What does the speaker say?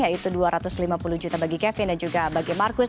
yaitu dua ratus lima puluh juta bagi kevin dan juga bagi marcus